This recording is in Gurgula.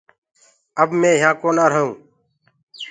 اب مي يهآنٚ ڪونآ ريهئونٚ